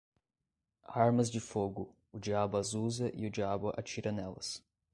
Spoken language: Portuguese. Armas de fogo, o diabo as usa e o diabo atira nelas.